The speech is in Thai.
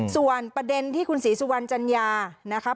ส่วนประเด็นที่คุณศรีสุวรรณจัญญานะครับ